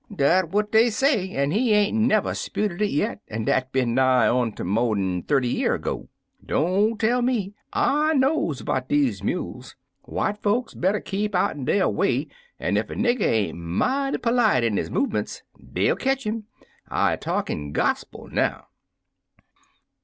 "Dat what dey say, an' he ain't never 'sputed it yit, an' dat bin nigh on ter mo' 'n thirty year ago. Don't tell me! I knows 'bout dese mules. White folks better keep out'n dere way, an' ef er nigger ain't mighty perlite in 'is movemints, dey '11 ketch him. I *m er talkin' gospil now."